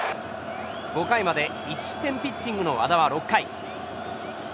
５回まで１失点ピッチングの和田は６回。